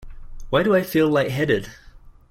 Why do I feel light-headed?